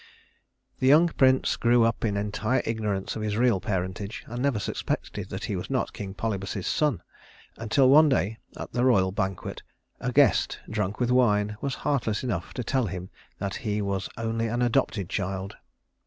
The young prince grew up in entire ignorance of his real parentage, and never suspected that he was not king Polybus's son until one day, at the royal banquet, a guest, drunk with wine, was heartless enough to tell him that he was only an adopted child.